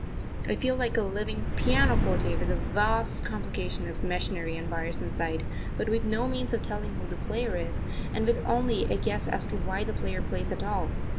I feel like a living pianoforte with a vast complication of machinery and wires inside, but with no means of telling who the player is, and with only a guess as to why the player plays at all.